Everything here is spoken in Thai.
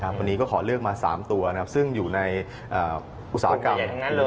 วันนี้ก็ขอเลือกมา๓ตัวซึ่งอยู่ในอุตสาหกรรม